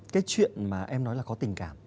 cái chuyện mà em nói là có tình cảm